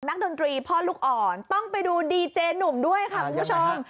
ดนตรีพ่อลูกอ่อนต้องไปดูดีเจหนุ่มด้วยค่ะคุณผู้ชม